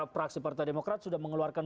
praksi partai demokrat sudah mengeluarkan